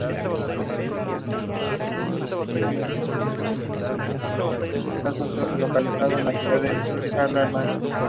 La negativa de los alemanes a ofrecerles contrapartidas en sus mercados exacerbó la situación.